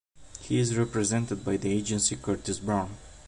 He is represented by the agency Curtis Brown.